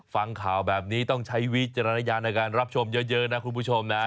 ฟังข่าวแบบนี้ต้องใช้วิจารณญาณในการรับชมเยอะนะคุณผู้ชมนะ